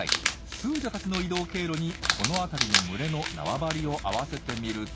スージャたちの移動経路にこの辺りの群れの縄張りを合わせてみると。